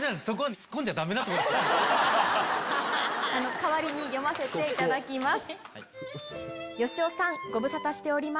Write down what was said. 代わりに読ませていただきます。